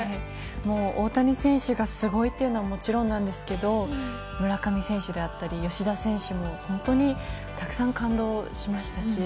大谷選手がすごいっていうのはもちろんなんですけど村上選手であったり、吉田選手も本当にたくさん感動しましたし。